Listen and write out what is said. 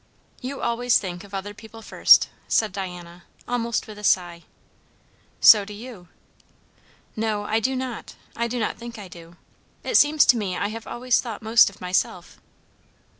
"You always think of other people first!" said Diana, almost with a sigh. "So do you." "No, I do not. I do not think I do. It seems to me I have always thought most of myself."